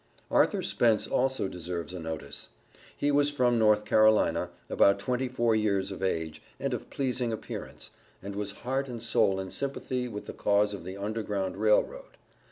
Arthur Spence also deserves a notice. He was from North Carolina, about twenty four years of age, and of pleasing appearance, and was heart and soul in sympathy with the cause of the Underground Rail Road.